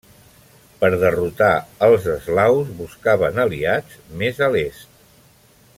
Per derrotar els eslaus, buscaven aliats més a l'Est.